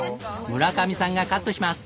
村上さんがカットします。